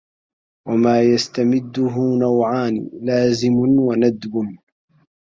وَمَا يَسْتَمِدُّهُ نَوْعَانِ لَازِمٌ وَنَدْبٌ